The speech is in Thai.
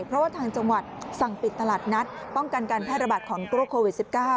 เพราะว่าทางจังหวัดสั่งปิดตลาดนัดป้องกันการแพร่ระบาดของโรคโควิด๑๙